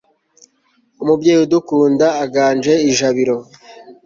umubyeyi udukunda aganje i jabiro